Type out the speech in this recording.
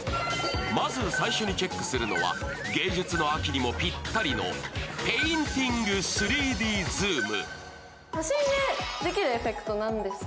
まず最初にチェックするのは、芸術の秋にもぴったりの「ペインティング３Ｄズーム」。